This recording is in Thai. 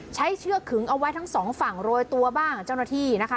เชือกขึงเอาไว้ทั้งสองฝั่งโรยตัวบ้างเจ้าหน้าที่นะคะ